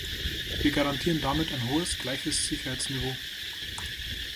Wir garantieren damit ein hohes, gleiches Sicherheitsniveau.